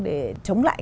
để chống lại